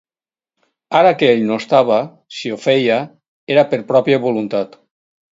Ara que ell no estava, si ho feia, era per pròpia voluntat.